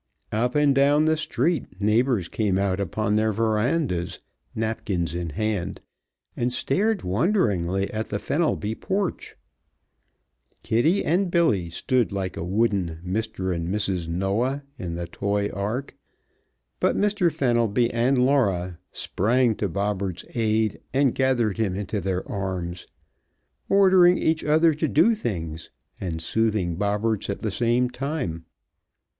Up and down the street neighbors came out upon their verandas, napkins in hand, and stared wonderingly at the Fenelby porch. Kitty and Billy stood like a wooden Mr. and Mrs. Noah in the toy ark, but Mr. Fenelby and Laura sprang to Bobberts' aid and gathered him into their arms, ordering each other to do things, and soothing Bobberts at the same time.